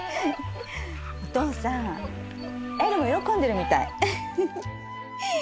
お父さんエルも喜んでるみたいフフフ。